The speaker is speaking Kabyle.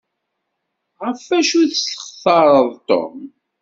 Ɣef acu i testaxṛeḍ Tom?